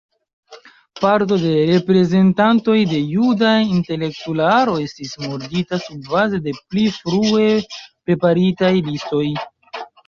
Parto de reprezentantoj de juda intelektularo estis murdita surbaze de pli frue preparitaj listoj.